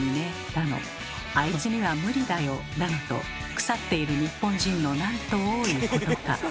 だの「あいつには無理だよ」だのと腐っている日本人のなんと多いことか。